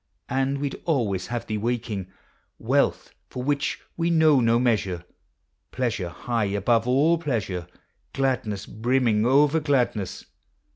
And we'd always have thee waking; Wealth for which we know no measure Pleasure high above all pleasure; Gladness brimming over gladness; ABOUT CHILDREN.